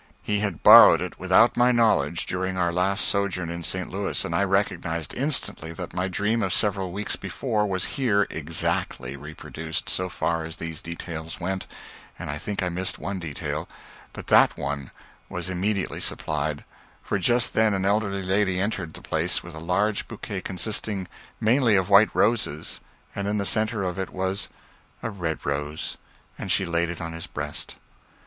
He had borrowed it without my knowledge during our last sojourn in St. Louis; and I recognized instantly that my dream of several weeks before was here exactly reproduced, so far as these details went and I think I missed one detail; but that one was immediately supplied, for just then an elderly lady entered the place with a large bouquet consisting mainly of white roses, and in the centre of it was a red rose, and she laid it on his breast.